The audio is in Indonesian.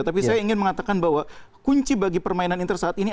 tapi saya ingin mengatakan bahwa kunci bagi permainan inter saat ini